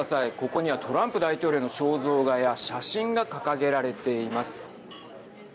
ここにはトランプ大統領の肖像画や写真が掲げられています。